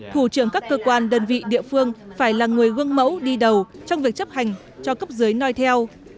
thủ trưởng các cơ quan đơn vị địa phương phải là người gương mẫu đi đầu trong việc chấp hành cho cấp dưới noi theo